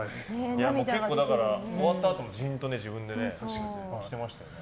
結構、終わったあともジーンと自分でしてましたね。